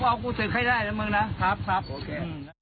เอากูศึกให้ได้นะมึงนะครับครับโอเค